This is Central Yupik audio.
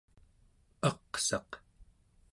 aqsaq